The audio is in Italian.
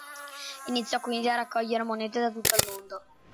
Iniziò quindi a raccogliere monete da tutto il mondo.